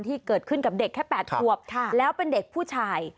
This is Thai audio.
ที่เกิดขึ้นกับเด็กแค่๘ควบแล้วเป็นเด็กผู้ชาย